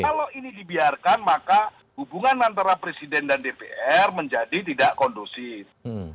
jadi kita harus membiarkan maka hubungan antara presiden dan dpr menjadi tidak kondusif